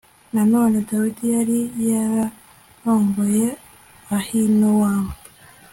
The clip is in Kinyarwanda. nanone dawidi yari yararongoye ahinowamu